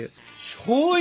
しょうゆ？